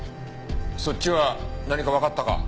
そっちは何かわかったか？